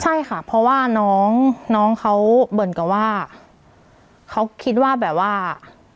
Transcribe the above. ใช่ค่ะเพราะว่าน้องน้องเขาเหมือนกับว่าเขาคิดว่าแบบว่า